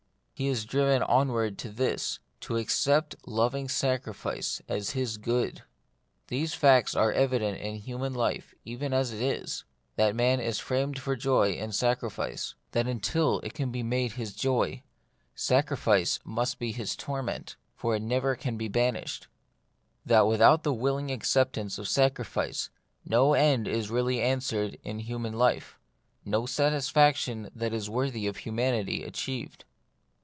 He is driven onward to this : to accept loving sacri fice as his good. These facts are evident in human life even as it is : that man is framed for joy in sacri fice; that until it can be made his joy, sacrifice must be his torment, for it never can be ban ished ; that without the willing acceptance of sacrifice, no end is really answered in human life, no satisfaction that is worthy of humanity achieved.